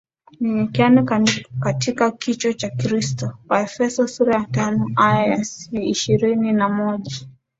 Mnyenyekeane katika kicho cha Kristo waefeso sura ya tano aya ya ishirini na moja